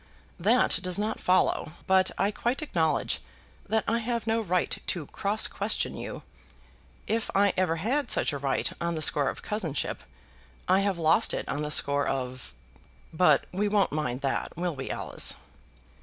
"That does not follow. But I quite acknowledge that I have no right to cross question you. If I ever had such right on the score of cousinship, I have lost it on the score of ; but we won't mind that, will we, Alice?"